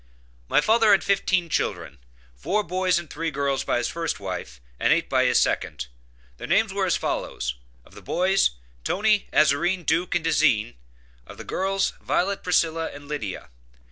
My father had fifteen children: four boys and three girls by his first wife and eight by his second. Their names were as follows: of the boys Toney, Aszerine, Duke and Dezine; of the girls Violet, Priscilla, and Lydia.